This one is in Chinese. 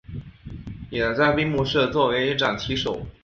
也在闭幕式作为掌旗手。